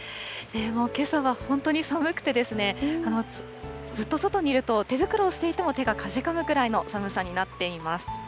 けさは本当に寒くてですね、ずっと外にいると、手袋をしていても手がかじかむぐらいの寒さになっています。